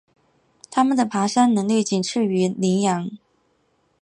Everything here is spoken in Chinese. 它们的爬山能力仅次于羱羊。